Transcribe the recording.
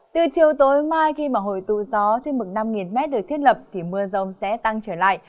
từ chiều tối mai khi mà hồi tù gió trên mực năm m được thiết lập thì mưa rông sẽ tăng trở lại